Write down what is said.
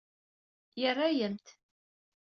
Yerra-yam-t.